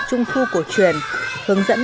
trung thu cổ truyền hướng dẫn